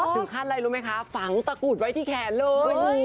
ถึงขั้นอะไรรู้ไหมคะฝังตะกรูดไว้ที่แขนเลย